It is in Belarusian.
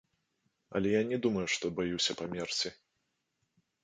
Але я не думаю, што баюся памерці.